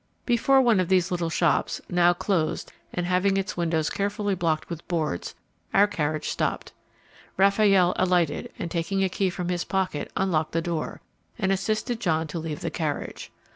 Before one of these little shops, now closed and having its windows carefully blocked with boards, our carriage stopped. Raffaelle alighted, and taking a key from his pocket unlocked the door, and assisted John to leave the carriage.